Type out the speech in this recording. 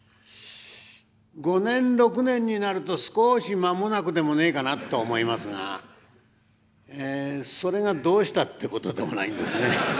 ５年６年になると少し間もなくでもねえかなと思いますがえそれがどうしたってことでもないんですね。